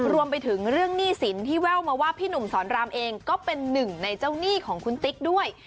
รวมไปถึงเรื่องหนี้สินที่แววมาว่าพี่หนุ่มสอนรามเองก็เป็นหนึ่งในเจ้าหนี้ของคุณติ๊กด้วย